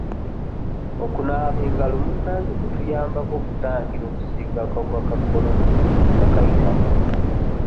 Okunaaba engalo munnange kutuyambako okutangira okusiiga akawuka ka Corona nga kayita mu ngalo.